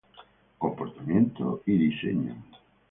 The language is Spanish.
Comportamiento y diseño".